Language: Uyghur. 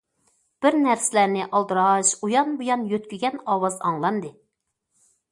بىر نەرسىلەرنى ئالدىراش ئۇيان- بۇيان يۆتكىگەن ئاۋاز ئاڭلاندى.